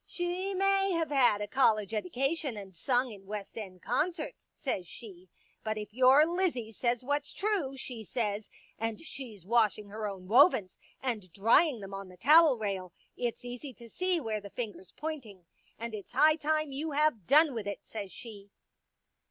* She may have had a College 158 Pictures eddication and sung in West End concerts,* says she, ' but if your Lizzie says what's true,* she says, * and slie's washing her own wovens and drying them on the towel rail, it's easy to see where the finger's pointing. And it's high time you had done with it,* says she."